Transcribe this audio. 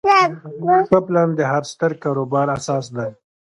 ښه پلان د هر ستر کاروبار اساس دی.